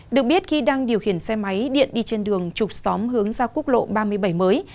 được biết khi đang điều khiển xe máy điện đi trên đường trục xóm hướng ra quốc lộ ba mươi bảy mới